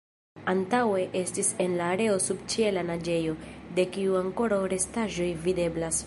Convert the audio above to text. Antaŭe estis en la areo subĉiela naĝejo, de kiu ankoraŭ restaĵoj videblas.